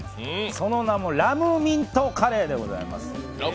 その名もラムミントカレーでございます。